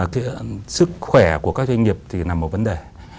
cái sức khỏe của các doanh nghiệp thì là một vấn đề